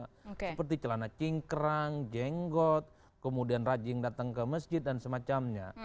seperti celana cingkrang jenggot kemudian rajin datang ke masjid dan semacamnya